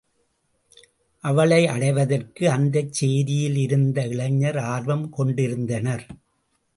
அவளை அடைவதற்கு அந்தச் சேரியில் இருந்த இளைஞர் ஆர்வம் கொண்டிருந்தனர்.